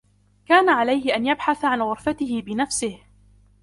كان عليه أن يبحث عن غرفته بنفسه.